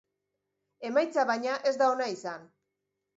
Emaitza, baina, ez da ona izan.